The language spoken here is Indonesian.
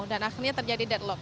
dan akhirnya terjadi deadlock